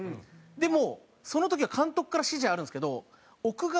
でもその時は監督から指示あるんですけど奥川